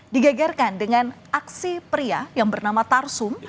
digegarkan dengan aksi pria yang bernama tarsum